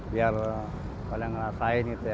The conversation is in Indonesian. biar pada ngerasain gitu ya